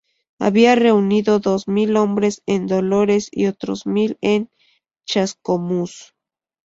Habían reunido dos mil hombres en Dolores, y otros mil en Chascomús.